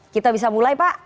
kita bisa mulai pak